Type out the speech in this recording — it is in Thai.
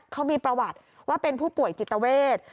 เขามีประวัติว่าเป็นผู้ป่วยจิตเวท